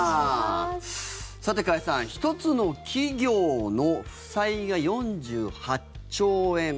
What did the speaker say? さて、加谷さん１つの企業の負債が４８兆円。